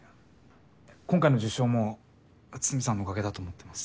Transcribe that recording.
今回の受賞も筒見さんのおかげだと思ってます。